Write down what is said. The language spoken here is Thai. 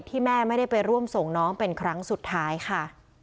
แม่ไม่ได้ไปร่วมส่งน้องเป็นครั้งสุดท้ายค่ะ